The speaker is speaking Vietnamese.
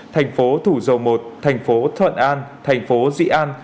thành phố thủ dầu một thành phố thuận an thành phố dị an